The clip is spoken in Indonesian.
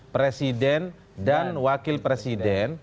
presiden dan wakil presiden